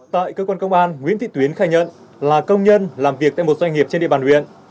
tại cơ quan công an nguyễn thị tuyến khai nhận là công nhân làm việc tại một doanh nghiệp trên địa bàn huyện